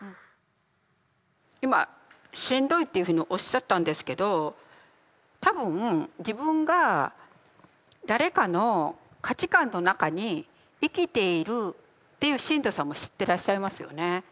今「しんどい」っていうふうにおっしゃったんですけど多分自分が誰かの価値観の中に生きているっていうしんどさも知ってらっしゃいますよね。